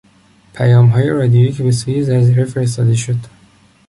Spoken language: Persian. پیامهای رادیویی که به سوی جزیره فرستاده شد